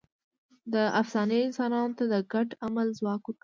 دا افسانې انسانانو ته د ګډ عمل ځواک ورکوي.